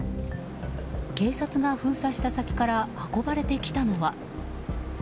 警察が封鎖した先から運ばれてきたのは。